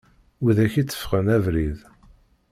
Widak i teffɣen abrid.